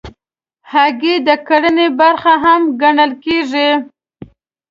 هګۍ د کرنې برخه هم ګڼل کېږي.